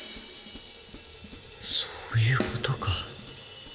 そういうことか